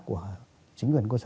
của chính quyền cơ sở